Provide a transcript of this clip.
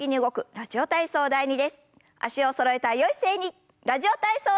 「ラジオ体操第２」。